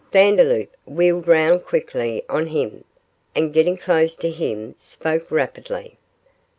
Vandeloup wheeled round quickly on him, and, getting close to him, spoke rapidly.